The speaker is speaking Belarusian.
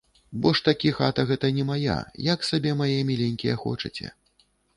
Бо ж такі хата гэта не мая, як сабе, мае міленькія, хочаце.